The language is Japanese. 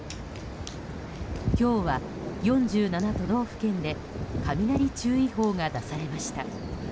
今日は４７都道府県で雷注意報が出されました。